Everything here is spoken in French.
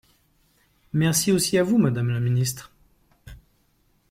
Merci, aussi à vous, madame la ministre.